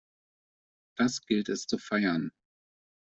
Das gilt es zu feiern!